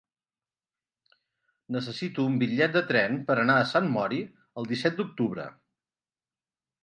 Necessito un bitllet de tren per anar a Sant Mori el disset d'octubre.